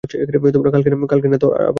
কালকে না তো আবার বিয়ে?